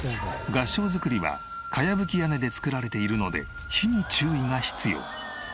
合掌造りは茅葺き屋根で造られているので火に注意が必要。